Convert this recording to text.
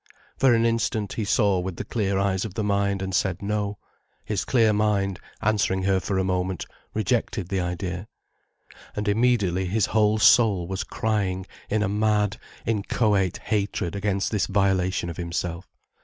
For an instant, he saw with the clear eyes of the mind and said no, his clear mind, answering her for a moment, rejected the idea. And immediately his whole soul was crying in a mad, inchoate hatred against this violation of himself.